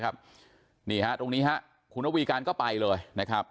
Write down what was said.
นี่ฮะตรงนี้ฮะคุณระวีการก็ไปเลยนะครับ